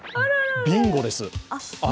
ビンゴです。